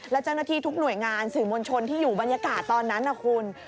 และเจ้าหน้าที่ทุกหน่วยงานสื่อมวลชนที่อยู่บรรยากาศตอนนั้นนะคุณ